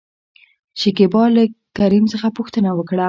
شکيبا له کريم څخه پوښتنه وکړه ؟